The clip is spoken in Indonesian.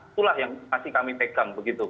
itulah yang masih kami pegang begitu